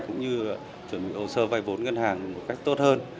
cũng như chuẩn bị hồ sơ vay vốn ngân hàng một cách tốt hơn